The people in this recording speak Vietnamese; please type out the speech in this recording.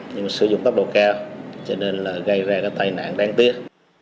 nhưng sử dụng tốc độ cao cho nên gây ra tai nạn đáng tiếc